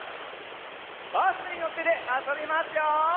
「バスにのって」であそびますよ！